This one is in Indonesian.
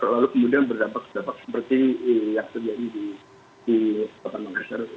lalu kemudian berdampak sedapak seperti yang terjadi di bapak nangasar